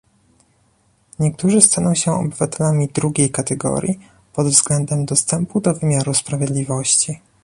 Niektórzy staną się obywatelami drugiej kategorii pod względem dostępu do wymiaru sprawiedliwości